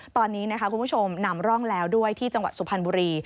ตอนนี้นะคะคุณผู้ชมนำร่องแล้วด้วยที่จังหวัดสุพรรณบุรี